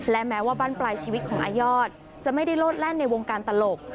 และแม้ว่าบ้านปลายชีวิตของอายอดจะไม่ได้โลดแล่นในวงการตลก